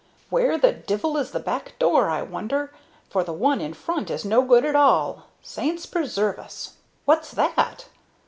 Where the divil is the back door, I wonder, for the one in front is no good at all? Saints preserve us! What's that?"